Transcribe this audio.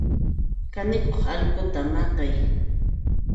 Kanikuq alquta maqay.